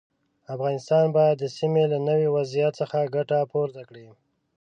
افغانستان باید د سیمې له نوي وضعیت څخه ګټه پورته کړي.